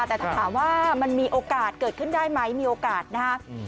แต่ถ้าถามว่ามันมีโอกาสเกิดขึ้นได้ไหมมีโอกาสนะครับ